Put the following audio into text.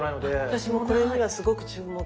私もこれにはすごく注目。